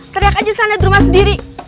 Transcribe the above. teriak aja sana di rumah sendiri